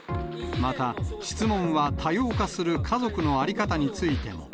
また、質問は多様化する家族の在り方についても。